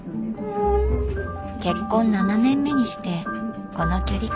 結婚７年目にしてこの距離感。